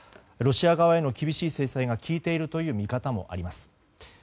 ロシア側への厳しい制裁が効いているという見方もあります。